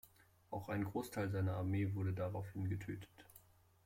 Auch ein Großteil seiner Armee wurde daraufhin getötet.